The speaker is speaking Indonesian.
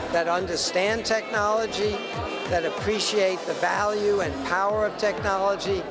yang mengerti teknologi yang menghargai nilai dan kuasa teknologi